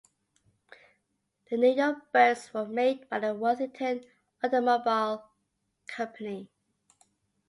The New York Bergs were made by the Worthington Automobile Company.